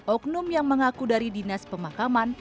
oknum yang mengaku dari dinas pemakaman